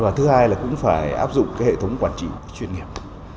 và thứ hai là cũng phải áp dụng hệ thống quản trị chuyên nghiệp